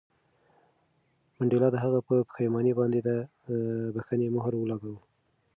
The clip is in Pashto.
منډېلا د هغه په پښېمانۍ باندې د بښنې مهر ولګاوه.